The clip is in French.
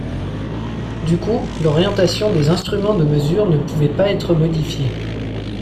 Du coup, l'orientation des instruments de mesure ne pouvait pas être modifiée.